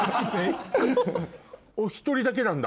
お１人だけなんだ？